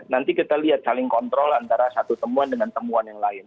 nanti kita lihat saling kontrol antara satu temuan dengan temuan yang lain